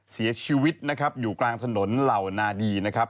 เสียชีวิตนะครับอยู่กลางถนนเหล่านาดีนะครับ